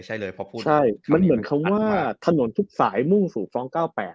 ใช่มันเหมือนคำว่าถนนทุกสายมุ่งสู่ฟร้อง๙๘